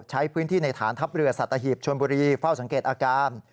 ใช้พื้นที่ในฐานทัพเรือสัตหีบชนบุรีเฝ้าสังเกตอาการ